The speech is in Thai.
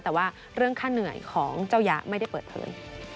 แต่ว่าเรื่องค่าเหนื่อยของเจ้ายะไม่ได้เปิดเผย